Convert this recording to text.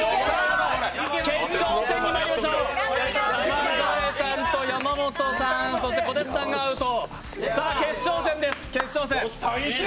決勝戦にまいりましょう、山添さんと山本さん、そしてこてつさんがアウト。